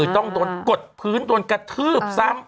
ต้องโดนกดพื้นโดนกระทืบซ้ำ